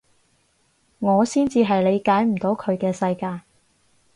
我先至係理解唔到佢嘅世界